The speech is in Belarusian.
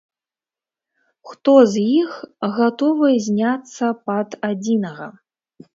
Хто з іх гатовы зняцца пад адзінага?